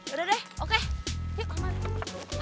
udah deh oke yuk aman